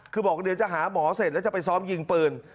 คือบอกเดี๋ยวจะหาหมอเสร็จแล้วจะไปซ้อมยิงปืน